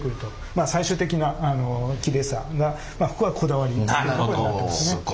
まあ最終的なきれいさがここはこだわりということになってますね。